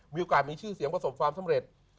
มีโอกาสมีชื่อเสียงประสบความสำเร็จ